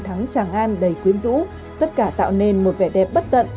thắng tràng an đầy quyến rũ tất cả tạo nên một vẻ đẹp bất tận